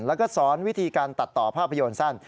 แล้วก็สอนวิธีการตัดต่อภาพยนตร์สั้น